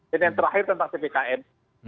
dan yang terakhir tentang cpkn